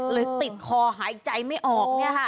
หรือติดคอหายใจไม่ออกเนี่ยค่ะ